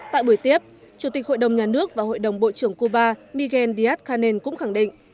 tại buổi tiếp chủ tịch hội đồng nhà nước và hội đồng bộ trưởng cuba miguel díaz canel cũng khẳng định